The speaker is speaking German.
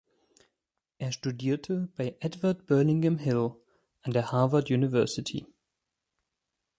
Er studierte bei Edward Burlingame Hill an der Harvard University.